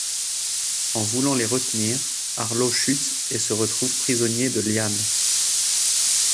En voulant les retenir, Arlo chute et se retrouve prisonnier de lianes.